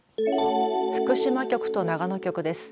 福島局と長野局です。